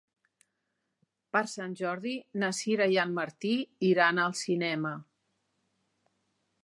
Per Sant Jordi na Sira i en Martí iran al cinema.